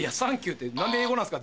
何で英語なんすか？